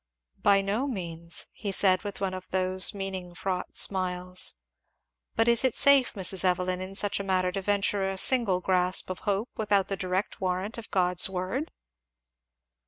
"By no means," he said with one of those meaning fraught smiles, "but is it safe, Mrs. Evelyn, in such a matter, to venture a single grasp of hope without the direct warrant of God's word?"